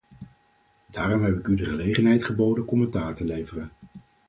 Daarom heb ik u de gelegenheid geboden commentaar te leveren.